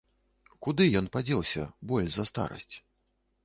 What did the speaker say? Куды ён падзеўся, боль за старасць?